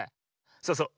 そうそう。